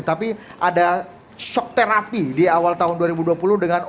tapi ada shock therapy di awal tahun dua ribu dua puluh dengan